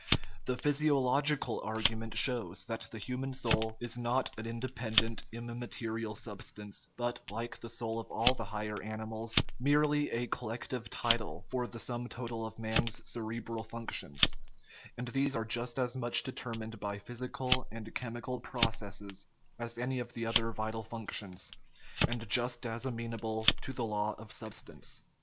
The physiological argument shows that the human soul is not an independent, immaterial substance, but, like the soul of all the higher animals, merely a collective title for the sum total of man's cere bral functions ; and these are just as much determined by physical and chemical processes as any of the other vital functions, and just as amenable to the law of sub stance.